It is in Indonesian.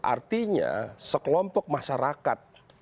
artinya sekelompok masyarakat